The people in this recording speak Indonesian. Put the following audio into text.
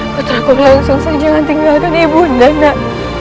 putraku wolangsungsang jangan tinggalkan ibu undang nak